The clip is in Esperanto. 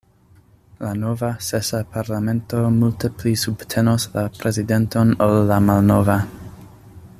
La nova, sesa, parlamento multe pli subtenos la prezidenton ol la malnova.